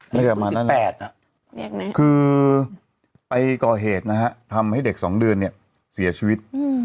นี้ประมาณนั้น